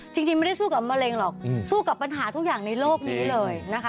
จริงไม่ได้สู้กับมะเร็งหรอกสู้กับปัญหาทุกอย่างในโลกนี้เลยนะคะ